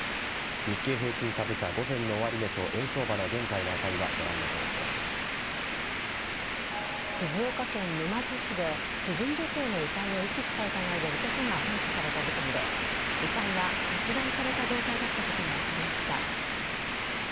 日経平均株価午前の終値と円相場の現在の値は静岡県沼津市で知人女性の遺体を遺棄した疑いで男が逮捕された事件で遺体は切断された状態だったことが分かりました。